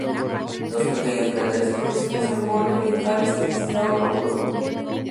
Dos pequeños cráteres próximos al borde oriental se han designado "Rocco" y "Ruth".